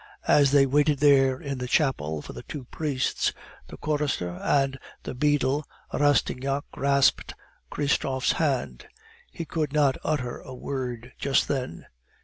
As they waited there in the chapel for the two priests, the chorister, and the beadle, Rastignac grasped Christophe's hand. He could not utter a word just then.